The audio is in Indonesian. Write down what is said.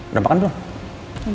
udah makan dulu